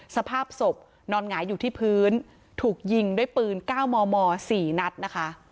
สภาพศพนอนหงายอยู่ที่พื้นถูกยิงด้วยปืน๙มม๔นัดนะคะ